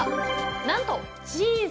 なんとチーズ。